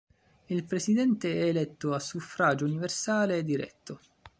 Il presidente è eletto a suffragio universale e diretto.